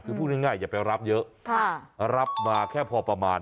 คือพูดง่ายอย่าไปรับเยอะรับมาแค่พอประมาณ